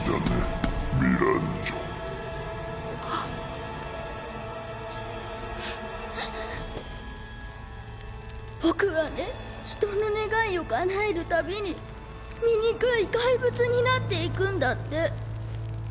・僕はね人の願いをかなえるたびにみにくい怪物になっていくんだって